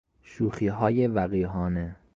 شوخیهای وقیحانه